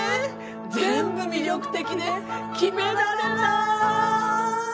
全部魅力的で決められない！